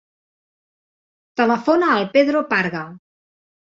Telefona al Pedro Parga.